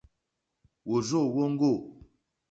Wòrzô wóŋɡô.